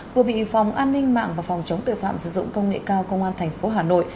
vừa bị phòng an ninh mạng và phòng chống tội phạm sử dụng công nghệ cao công an thành phố hà nội